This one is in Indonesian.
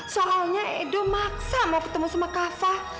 soalnya edo maksa mau ketemu sama kak fah